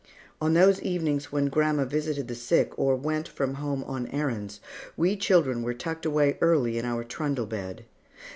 On those evenings when grandma visited the sick, or went from home on errands, we children were tucked away early in our trundle bed.